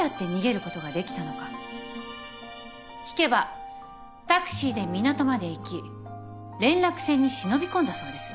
聞けばタクシーで港まで行き連絡船に忍び込んだそうです。